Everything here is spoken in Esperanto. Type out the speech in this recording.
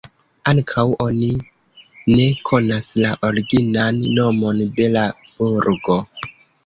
Ankaŭ oni ne konas la originan nomon de la burgo.